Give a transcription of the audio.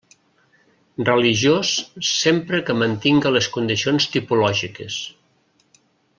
Religiós, sempre que mantinga les condicions tipològiques.